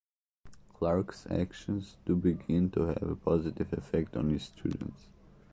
Clark's actions do begin to have a positive effect on his students.